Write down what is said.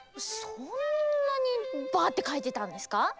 そんなにバッてかいてたんですか？